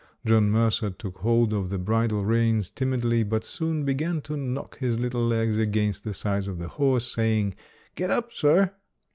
John Mercer took hold of the bridle reins timidly, but soon began to knock his little legs against the sides of the horse, saying, "Get up, sir".